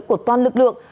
của toàn lực lượng